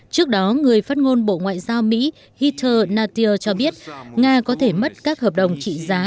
trước đó người phát ngôn bộ ngoại giao mỹ hitter natio cho biết nga có thể mất các hợp đồng trị giá